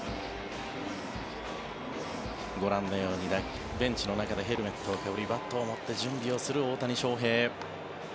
ご覧のようにベンチの中でヘルメットをかぶりバットを持って準備をする大谷翔平。